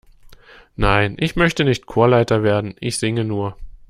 Nein, ich möchte nicht Chorleiter werden, ich singe nur.